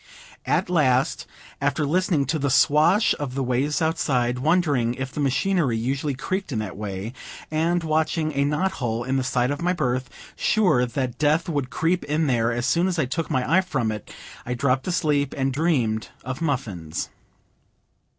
At last, after listening to the swash of the waves outside, wondering if the machinery usually creaked in that way, and watching a knot hole in the side of my berth, sure that death would creep in there as soon as I took my eye from it, I dropped asleep, and dreamed of muffins.